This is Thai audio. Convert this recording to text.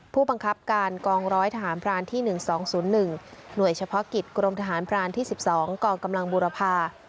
ผู้บังคับการกองร้อยทหารพรานที่๑๒๐๑หน่วยเฉพาะกิจกรมทหารพรานที่๑๒กองกำลังบูรพา